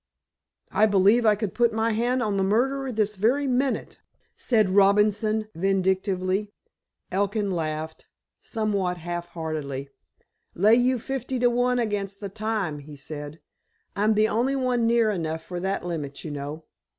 "I believe I could put my hand on the murderer this very minute," said Robinson vindictively. Elkin laughed, somewhat half heartedly. "Lay you fifty to one against the time," he said. "I'm the only one near enough for that limit, you know."